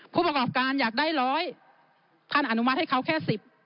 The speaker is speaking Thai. ผู้ประกอบการอยากได้ร้อยท่านอนุมัติให้เขาแค่สิบ